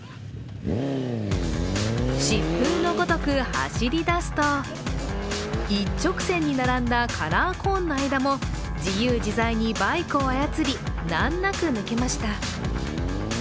疾風のごとく走り出すと一直線に並んだカラーコーンの間も自由自在にバイクを操り難なく抜けました。